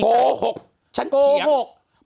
โกหกฉันเถียง